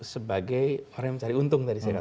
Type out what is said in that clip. sebagai orang yang mencari untung